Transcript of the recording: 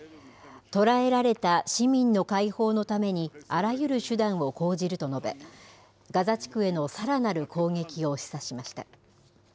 捕らえられた市民の解放のためにあらゆる手段を講じると述べ、ガザ地区へのさらなる攻撃を示唆しました。